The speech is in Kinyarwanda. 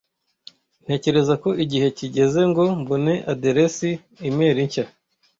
Ntekereza ko igihe kigeze ngo mbone aderesi imeri nshya.